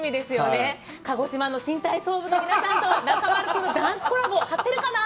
鹿児島の新体操部の皆さんと中丸君のダンスコラボ、張ってるかな？